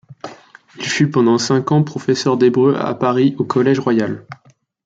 Il fut pendant cinq ans professeur d'hébreu à Paris au Collège royal.